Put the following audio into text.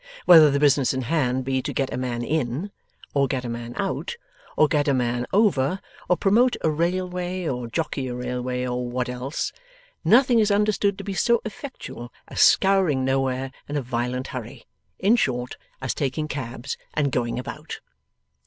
Whether the business in hand be to get a man in, or get a man out, or get a man over, or promote a railway, or jockey a railway, or what else, nothing is understood to be so effectual as scouring nowhere in a violent hurry in short, as taking cabs and going about.